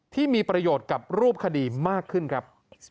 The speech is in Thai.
ที่มีประโยชน์กับรูปคดีมากขึ้นครับ